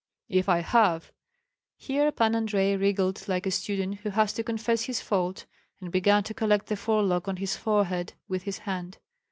"If I have." Here Pan Andrei wriggled like a student who has to confess his fault, and began to collect the forelock on his forehead with his hand.